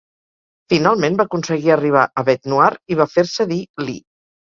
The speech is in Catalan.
Finalment va aconseguir arribar a Bete Noire i va fer-se dir "Lee".